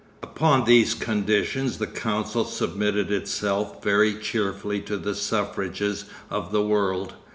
Upon these conditions the council submitted itself very cheerfully to the suffrages of the world.